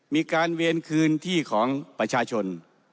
เวียนคืนที่ของประชาชน